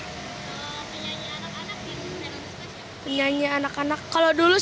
kalau penyanyi anak anak di indonesia